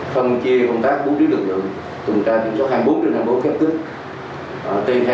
phân chia công tác bốn đứa lực lượng tùm tra tỉnh số hai mươi bốn trên hai mươi bốn khép tích